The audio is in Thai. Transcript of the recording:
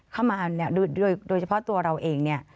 เข้ามาเนี่ยโดยเฉพาะตัวเราเองเนี่ย